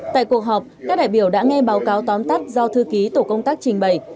tại cuộc họp các đại biểu đã nghe báo cáo tóm tắt do thư ký tổ công tác trình bày